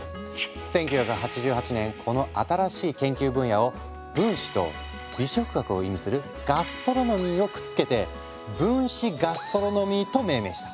１９８８年この新しい研究分野を分子と美食学を意味するガストロノミーをくっつけて「分子ガストロノミー」と命名した。